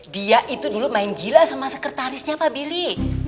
dia itu dulu main gila sama sekretarisnya pak billy